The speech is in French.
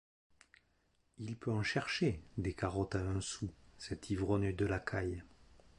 Il peut en chercher, des carottes à un sou, cet ivrogne de Lacaille...